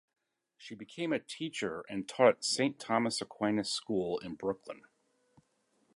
She became a teacher, and taught at Saint Thomas Aquinas School in Brooklyn.